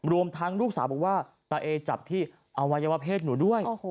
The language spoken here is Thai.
รวมทั้งลูกสาวบอกว่าตาเอจับที่อวัยวะเพศหนูด้วย